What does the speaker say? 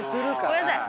ごめんなさい。